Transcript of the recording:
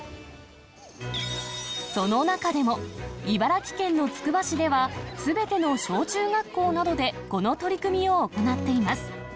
その中でも、茨城県のつくば市では、すべての小中学校などでこの取り組みを行っています。